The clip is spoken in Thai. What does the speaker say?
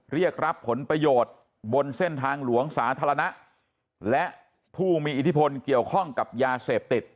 เรียกรับผลประโยชน์บนเส้นทางหลวงสาธารณะและผู้มีอิทธิพลเกี่ยวข้องกับยาเสพติด